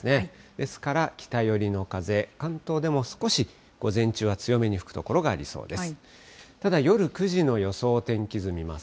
ですから北寄りの風、関東でも少し午前中は強めに吹く所がありそうです。